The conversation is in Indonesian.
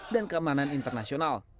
dan keamanan internasional